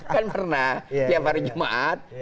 kan pernah tiap hari jumat